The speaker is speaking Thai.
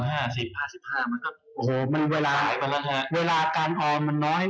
โอ้โหมันเวลาการออมมันน้อย